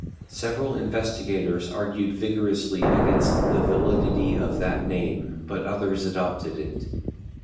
Several investigators argued vigorously against the validity of that name, but others adopted it.